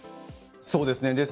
そうですね。